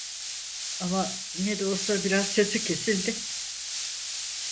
Ama ne de olsa biraz sesi kesildi.